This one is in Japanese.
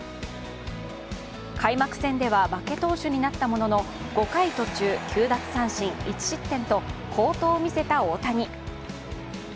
開幕戦では負け投手になったものの５回途中、９奪三振１失点と好投を見せた大谷。